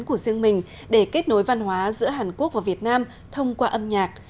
kết nối văn hóa giữa hàn quốc và việt nam thông qua âm nhạc